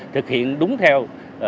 thực hiện đúng theo